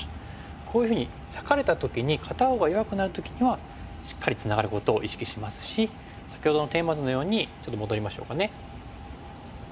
こういうふうに裂かれた時に片方が弱くなる時にはしっかりツナがることを意識しますし先ほどのテーマ図のようにちょっと戻りましょうかね。